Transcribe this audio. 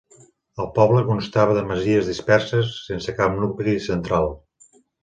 El poble constava de masies disperses, sense cap nucli central.